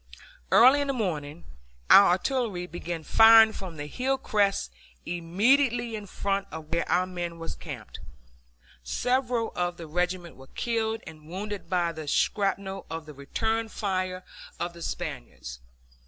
Early in the morning our artillery began firing from the hill crest immediately in front of where our men were camped. Several of the regiment were killed and wounded by the shrapnel of the return fire of the Spaniards.